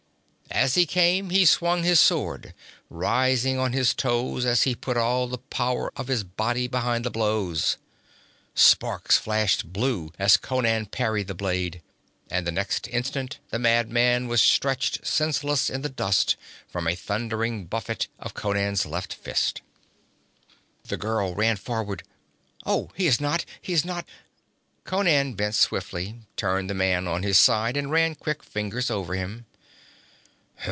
As he came he swung his sword, rising on his toes as he put all the power of his body behind the blows. Sparks flashed blue as Conan parried the blade, and the next instant the madman was stretched senseless in the dust from a thundering buffet of Conan's left fist. The girl ran forward. 'Oh, he is not he is not ' Conan bent swiftly, turned the man on his side and ran quick fingers over him.